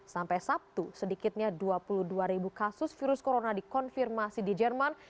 sampai sabtu sedikitnya dua puluh dua ribu kasus virus corona dikonfirmasi di jerman